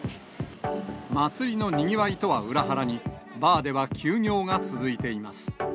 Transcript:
祭りのにぎわいとは裏腹に、バーでは休業が続いています。